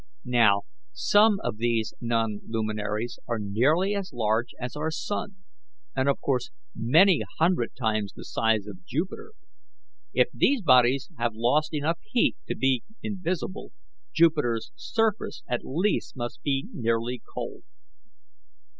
Now, some of these non luminaries are nearly as large as our sun, and, of course, many hundred times the size of Jupiter. If these bodies have lost enough heat to be invisible, Jupiter's surface at least must be nearly cold."